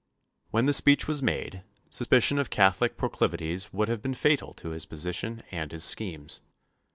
When the speech was made, suspicion of Catholic proclivities would have been fatal to his position and his schemes.